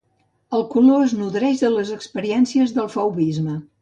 El color es nodreix de les experiències del fauvisme.